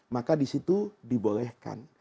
maka disitu dibolehkan